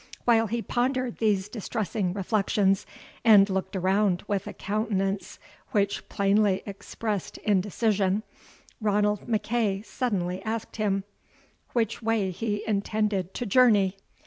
While he pondered these distressing reflections, and looked around with a countenance which plainly expressed indecision, Ranald MacEagh suddenly asked him, "which way he intended to journey?"